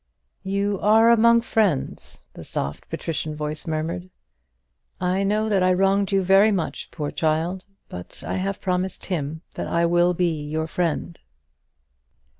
"You are among friends," the soft patrician voice murmured. "I know that I wronged you very much, poor child; but I have promised him that I will be your friend."